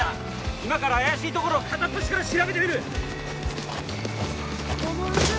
今から怪しい所を片っ端から調べてみる！